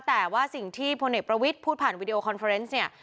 แต่ว่าสิ่งที่พลเอกประวิทย์พูดผ่านวิดีโอคอนเฟอร์เนสเนี่ย